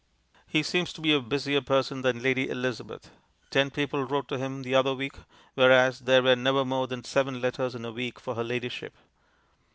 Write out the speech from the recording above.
He seems to be a busier person than Lady Elizabeth. Ten people wrote to him the other week, whereas there were never more than seven letters in a week for her ladyship.